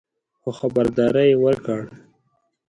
خو خبرداری یې ورکړ